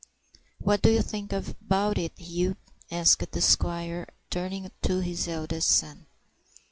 "What do you think about it, Hugh?" asked the squire, turning to his eldest son.